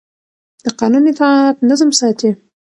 د قانون اطاعت نظم ساتي